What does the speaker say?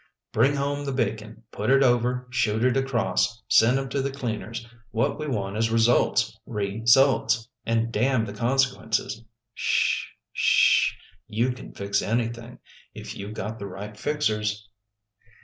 " Bring home the bacon. Put it over, shoot it across. Send 'em to the cleaners. What we want is results, re sults And damn the consequences. Sh ... sh. ... You can fix anything If you got the right fixers."